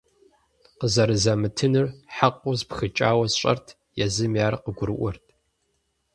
Къызэрызамытынур хьэкъыу спхыкӀауэ сщӀэрт, езыми ар къыгурыӀуэрт.